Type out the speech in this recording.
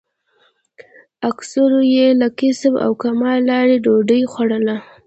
اکثرو یې له کسب او کمال لارې ډوډۍ خوړله.